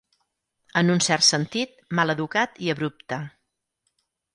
En un cert sentit, maleducat i abrupte.